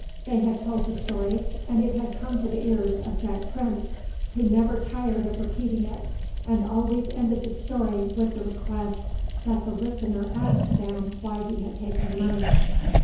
They had told the story, and it had come to the ears of Jack Prince, who never tired of repeating it and always ended the story with the request that the listener ask Sam why he had taken the money.